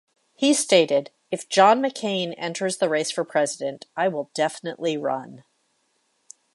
He stated If John McCain enters the race for president I will definitely run.